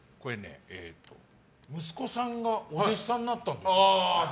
息子さんがお弟子さんになったんですよね。